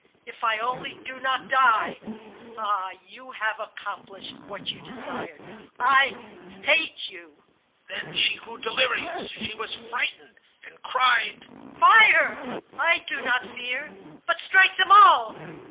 ... If I only do not die! Ah, you have accomplished what you desired! I hate you!' "Then she grew delirious. She was frightened, and cried: "'Fire, I do not fear ... but strike them all